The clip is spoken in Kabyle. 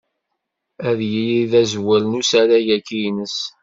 Ad yili d azwel n usarag-agi-ines.